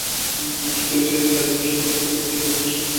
তিনি সুইডেন জাতীয় মহিলা ফুটবল দলের হয়ে ডিফেন্ডার হিসেবে খেলে থাকেন।